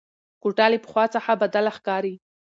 کوټه له پخوا څخه بدله ښکاري.